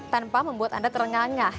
tanpa membuat anda terengah engah